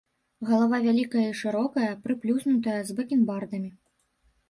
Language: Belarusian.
Галава вялікая і шырокая, прыплюснутая, з бакенбардамі.